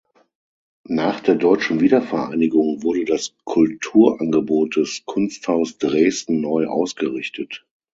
Nach der deutschen Wiedervereinigung wurde das Kulturangebot des Kunsthaus Dresden neu ausgerichtet.